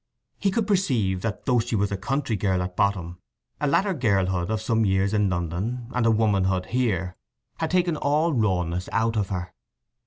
He could perceive that though she was a country girl at bottom, a latter girlhood of some years in London, and a womanhood here, had taken all rawness out of her.